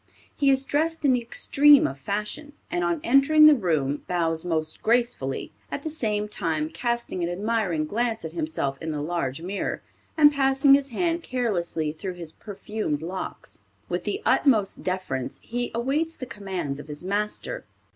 He is dressed in the extreme of fashion, and on entering the room bows most gracefully, at the same time casting an admiring glance at himself in the large mirror, and passing his hand carelessly through his perfumed locks. With the utmost deference, he awaits the commands of his master.